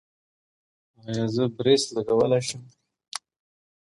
ایا زه برېس لګولی شم؟